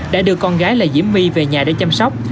đã đưa con gái là diễm my về nhà để chăm sóc